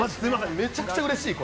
めちゃくちゃうれしい。